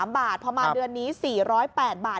๓๙๓บาทประมาณเดือนนี้๔๐๘บาท